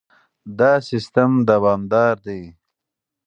دا سیستم دوامدار دی.